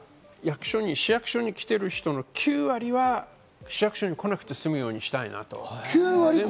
今は市役所に来てる人の９割は市役所に来なくて済むようにしたいなと。